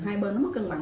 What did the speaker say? hai bên mất cân bằng